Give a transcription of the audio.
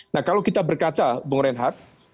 nah kalau kita berkaca bung reinhardt